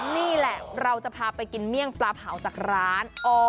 นี่แหละเราจะพาไปกินเมี่ยงปลาเผาจากร้าน